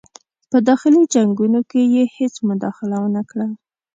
په داخلي جنګونو کې یې هیڅ مداخله ونه کړه.